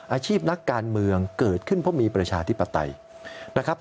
อาชีพนักการเมืองเกิดขึ้นเพราะมีประชาธิปไตยนะครับ